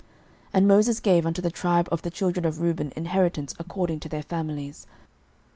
06:013:015 And Moses gave unto the tribe of the children of Reuben inheritance according to their families.